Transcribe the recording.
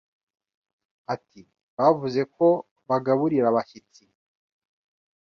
ati bavuze ko bagaburira abashyitsi